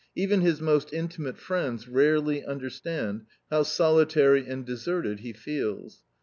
Even his most intimate friends rarely understand how solitary and deserted he feels.